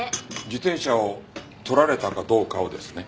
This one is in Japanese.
自転車を盗られたかどうかをですね？